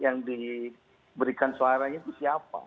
yang diberikan suaranya itu siapa